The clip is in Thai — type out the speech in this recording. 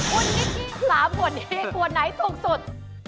มิสทีนสามผ่วนควรไหนสูงสุด